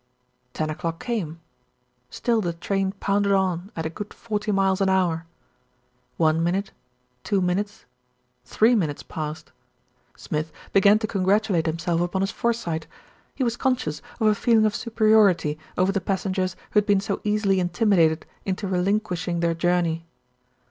Ten o'clock came; still the train pounded on at a good forty miles an hour. One minute, two minutes, three minutes passed. Smith began to congratulate himself upon his foresight. He was conscious of a feel ing of superiority over the passengers who had been so easily intimidated into relinquishing their journey.